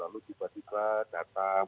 lalu tiba tiba datang